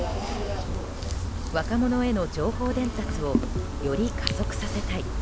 若者への情報伝達をより加速させたい。